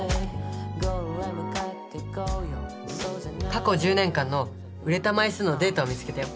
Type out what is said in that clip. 過去１０年間の売れた枚数のデータを見つけたよ。